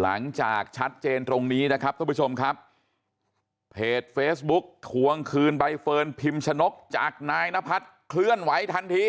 หลังจากชัดเจนตรงนี้นะครับท่านผู้ชมครับเพจเฟซบุ๊กทวงคืนใบเฟิร์นพิมชนกจากนายนพัฒน์เคลื่อนไหวทันที